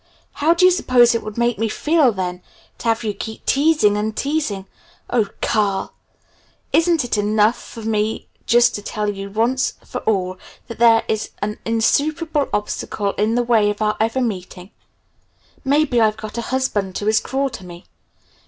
How do you suppose it would make me feel, then, to have you keep teasing and teasing. Oh, Carl! "Isn't it enough for me just to tell you once for all that there is an insuperable obstacle in the way of our ever meeting. Maybe I've got a husband who is cruel to me.